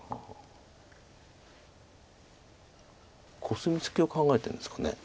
コスミツケを考えてるんですかね。